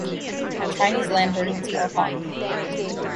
Chinese lanterns are hung.